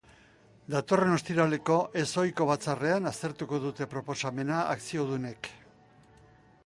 Datorren ostiraleko ez-ohiko batzarrean aztertuko dute proposamena akziodunek.